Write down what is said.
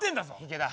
池田